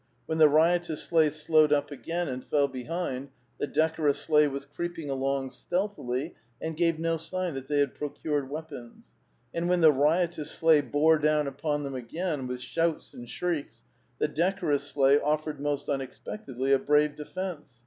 When tlie riotous sleigh slowed up again and fell behind, the decorous sleigh was creeping along stealthily, and gave no sign that they had procured weapons ; and when the riotous sleigh bore down upon them again with shouts and shrieks, the decorous sleigh offered most unexpectedly a brave defence.